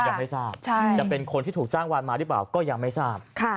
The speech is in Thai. ยังไม่ทราบจะเป็นคนที่ถูกจ้างวานมาหรือเปล่าก็ยังไม่ทราบ